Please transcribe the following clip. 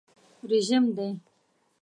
رژیم دی.